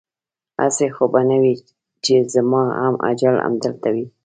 هسې خو به نه وي چې زما هم اجل همدلته وي؟